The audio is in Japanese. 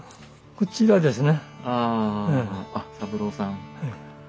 こちらですね。